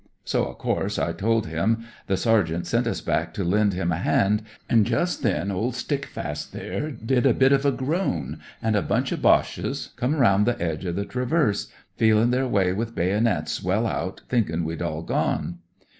So, of course, I told him the sergeant sent us back to lend him a hand, and just then old Stickfast there did a bit of a groan, and a bunch o' Boches come round the edge of the traverse, feelin* their way with baynits well out, thinkin* we'd all gone.